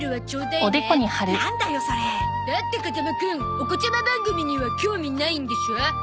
だって風間くんお子ちゃま番組には興味ないんでしょ？